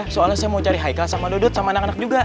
soalnya saya mau cari highl sama dodot sama anak anak juga